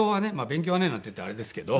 「勉強はね」なんて言ったらあれですけど。